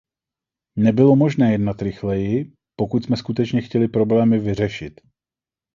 Nebylo možné jednat rychleji, pokud jsme skutečně chtěli problémy vyřešit.